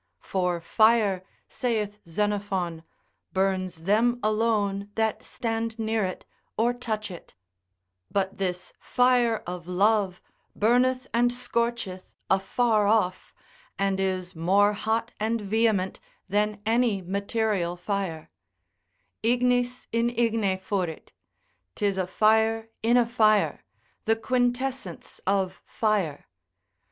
For fire, saith Xenophon, burns them alone that stand near it, or touch it; but this fire of love burneth and scorcheth afar off, and is more hot and vehement than any material fire: Ignis in igne furit, 'tis a fire in a fire, the quintessence of fire.